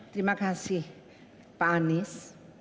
terima kasih pak anies